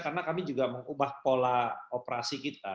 karena kami juga mengubah pola operasi kita